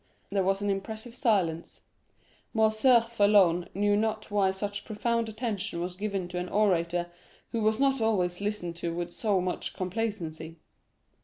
There was an impressive silence; Morcerf alone knew not why such profound attention was given to an orator who was not always listened to with so much complacency.